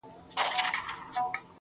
پۀ اذان کې دغه اووه واړه سُرونه